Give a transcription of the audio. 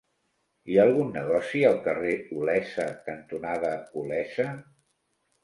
Hi ha algun negoci al carrer Olesa cantonada Olesa?